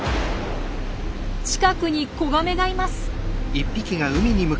近くに子ガメがいます。